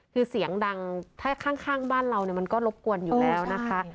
คือเสียงดังถ้าข้างบ้านเรามันก็รบกวนอยู่แล้วนะคะ